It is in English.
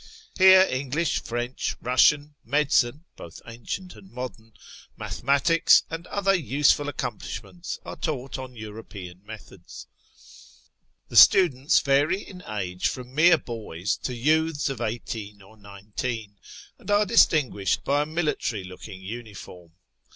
Here English, French, Eussian, Medicine (both ancient and modern), Mathematics, and other useful accomplishments are taught on European methods. The students vary in age from mere boys to youths of eighteen TEHERAn 95 or uineteen, and are distinguished by a military looking uniform.